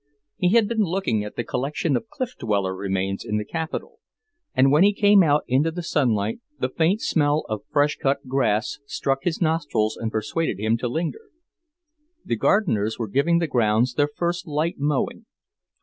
He had been looking at the collection of Cliff Dweller remains in the Capitol, and when he came out into the sunlight the faint smell of fresh cut grass struck his nostrils and persuaded him to linger. The gardeners were giving the grounds their first light mowing.